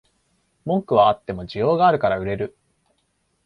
文句はあっても需要があるから売れる